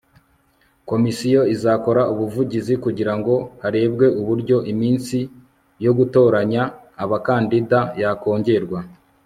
komisiyo izakora ubuvugizi kugira ngo harebwe uburyo iminsi yo gutoranya abakandida yakongerwa